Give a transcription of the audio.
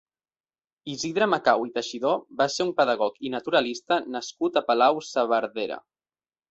Isidre Macau i Teixidor va ser un pedagog i naturalista nascut a Palau-saverdera.